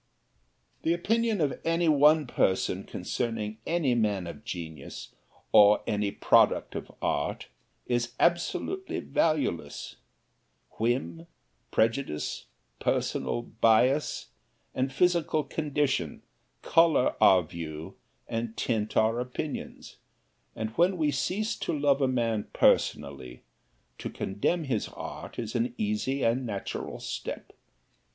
The opinion of any one person concerning any man of genius, or any product of art, is absolutely valueless. Whim, prejudice, personal bias, and physical condition color our view and tint our opinions, and when we cease to love a man personally, to condemn his art is an easy and natural step.